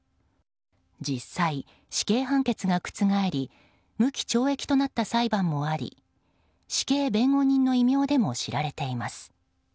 実際、死刑判決が覆り無期懲役となった裁判もあり死刑弁護人の異名でも知られています。